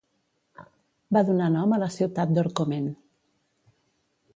Va donar nom a la ciutat d'Orcomen.